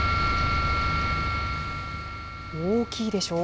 大きいでしょう。